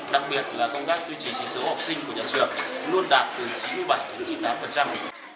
đặc biệt là công tác duy trì sĩ số học sinh của nhà trường luôn đạt từ chín mươi bảy đến chín mươi tám